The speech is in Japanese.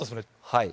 はい。